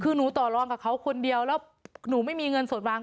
คือหนูต่อรองกับเขาคนเดียวแล้วหนูไม่มีเงินสดวาง